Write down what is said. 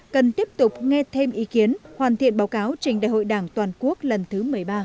cần tiếp tục nghe thêm ý kiến hoàn thiện báo cáo trình đại hội đảng toàn quốc lần thứ một mươi ba